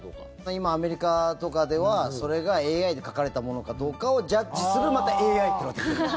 今、アメリカとかではそれがＡＩで書かれたものかどうかをジャッジするまたＡＩというのが出てる。